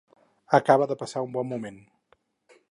Acaba de passar un bon moment.